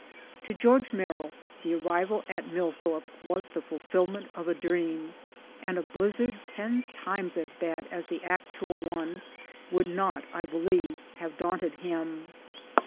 To George Merrill the arrival at Millthorpe was the fulfilment of a dream ; and a blizzard ten times as bad as the actual one would not I believe have daunted him.